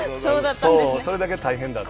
そう、それだけ大変だった。